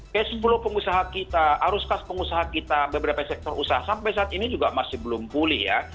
ke sepuluh pengusaha kita arus kas pengusaha kita beberapa sektor usaha sampai saat ini juga masih belum pulih ya